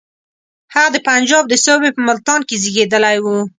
هغه د پنجاب د صوبې په ملتان کې زېږېدلی وو.